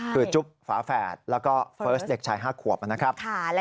คือจุ๊บฝาแฝดแล้วก็เฟิร์สเด็กชาย๕ขวบนะครับ